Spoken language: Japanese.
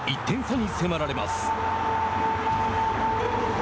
１点差に迫られます。